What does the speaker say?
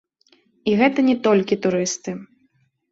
І гэта не толькі турысты.